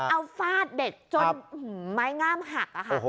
เอาฟาดเด็กจนไม้งามหักค่ะ